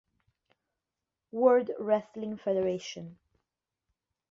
World Wrestling Federation